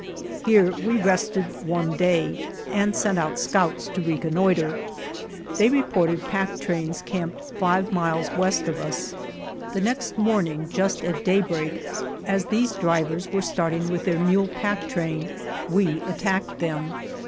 Here we rested one day, and sent out scouts to reconnoiter. They reported pack trains camped five miles west of us. The next morning just at daybreak, as these drivers were starting with their mule pack train, we attacked them.